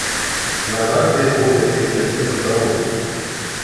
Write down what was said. На жарты яго ў такія часіны здало.